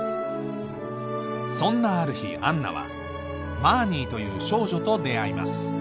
そんなある日杏奈はマーニーという少女と出会います